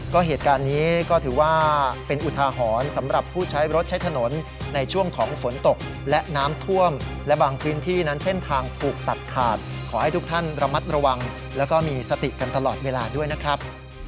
ก็เหตุการณ์นี้ก็ถือว่าเป็นอุทาหรณ์สำหรับผู้ใช้รถใช้ถนนในช่วงของฝนตกและน้ำท่วมและบางพื้นที่นั้นเส้นทางถูกตัดขาดขอให้ทุกท่านระมัดระวังแล้วก็มีสติกันตลอดเวลาด้วยนะครับ